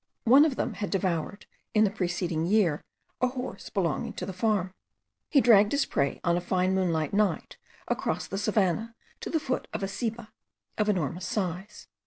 One of them had devoured, in the preceding year, a horse belonging to the farm. He dragged his prey on a fine moonlight night, across the savannah, to the foot of a ceiba* of an enormous size.